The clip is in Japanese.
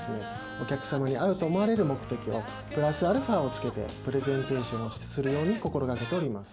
お客様に合うと思われる目的をプラスアルファをつけてプレゼンテーションをするように心がけております。